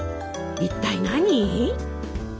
一体何？